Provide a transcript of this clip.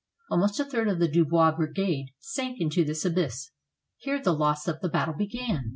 Almost a third of the Dubois' brigade sank into this abyss. Here the loss of the battle began.